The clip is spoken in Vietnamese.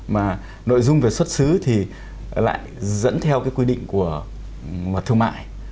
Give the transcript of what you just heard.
mà nội dung về xuất xứ thì lại dẫn theo cái quy định của mặt thương mại